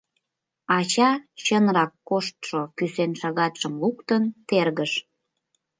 Ача чынрак коштшо кӱсеншагатшым луктын тергыш.